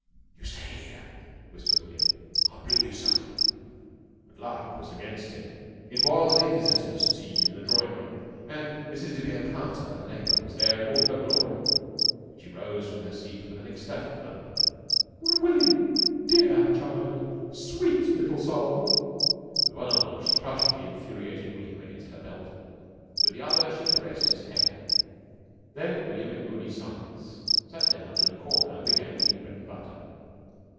"You stay here," whispered William. "I'll bring you some." But luck was against him. It was a visitors' tea in the drawing room, and Mrs. de Vere Carter, a neighbour, there, in all her glory. She rose from her seat with an ecstatic murmur. "Willie! Dear child! Sweet little soul!" With one arm she crushed the infuriated William against her belt, with the other she caressed his hair. Then William in moody silence sat down in a corner and began to eat bread and butter.